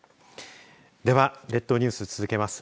では、列島ニュース続けます。